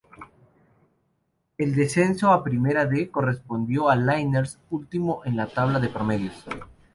El descenso a Primera D correspondió a Liniers, último en la tabla de promedios.